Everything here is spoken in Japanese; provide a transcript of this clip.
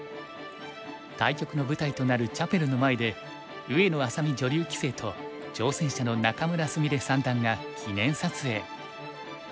対局の舞台となるチャペルの前で上野愛咲美女流棋聖と挑戦者の仲邑菫三段が記念撮影。